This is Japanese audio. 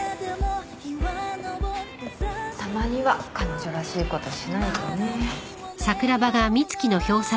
たまには彼女らしいことしないとね。